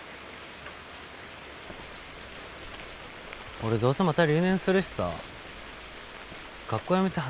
俺どうせまた留年するしさ学校やめて働くわ。